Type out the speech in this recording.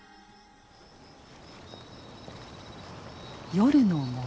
夜の森。